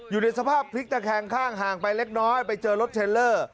อยู่ในสภาพพลิกตะแคงข้างห่างไปเล็กน้อยไปเจอรถเทลเลอร์